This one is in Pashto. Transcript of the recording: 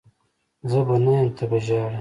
زه به نه یم ته به ژاړي